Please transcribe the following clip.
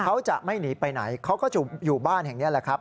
เขาจะไม่หนีไปไหนเขาก็จะอยู่บ้านแห่งนี้แหละครับ